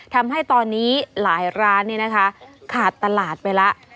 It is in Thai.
ทำให้ตอนนี้หลายร้านขาดตลาดไปแล้ว